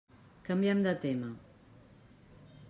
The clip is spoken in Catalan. Canviem de tema.